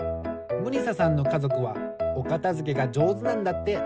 ムニサさんのかぞくはおかたづけがじょうずなんだって。